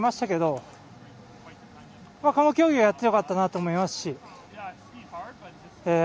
けどこの競技をやってよかったと思いますし。